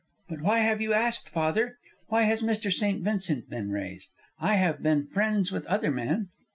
"But why have you asked, father? Why has Mr. St. Vincent been raised? I have been friends with other men."